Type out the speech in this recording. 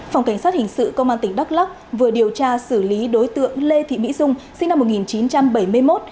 phòng cảnh sát hình sự công an tỉnh đắk lắc vừa điều tra xử lý đối tượng lê thị mỹ dung sinh năm một nghìn chín trăm bảy mươi một